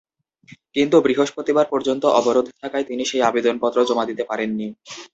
কিন্তু বৃহস্পতিবার পর্যন্ত অবরোধ থাকায় তিনি সেই আবেদনপত্র জমা দিতে পারেননি।